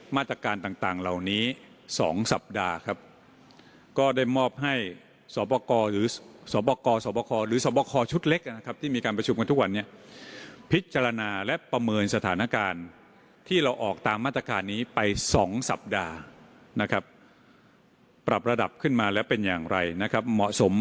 ฟังสินคุณหมอธวิสินค่ะ